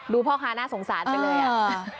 พ่อค้าน่าสงสารไปเลยอ่ะ